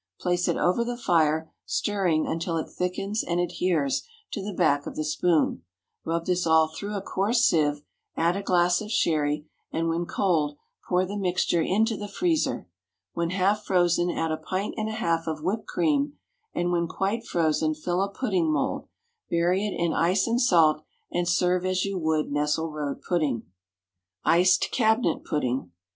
Place it over the fire, stirring until it thickens and adheres to the back of the spoon; rub this all through a coarse sieve, add a glass of sherry, and when cold pour the mixture into the freezer; when half frozen add a pint and a half of whipped cream, and when quite frozen fill a pudding mould, bury it in ice and salt, and serve as you would Nesselrode pudding. _Iced Cabinet Pudding.